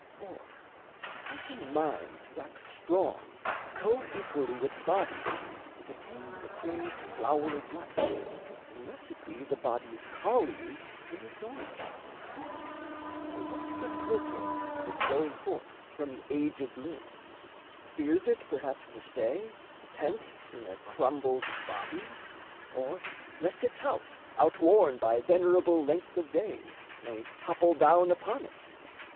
Or how can mind wax strong Coequally with body and attain The craved flower of life, unless it be The body's colleague in its origins? Or what's the purport of its going forth From aged limbs? fears it, perhaps, to stay, Pent in a crumbled body? Or lest its house, Outworn by venerable length of days, May topple down upon it?